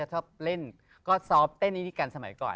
เจงกิสคาน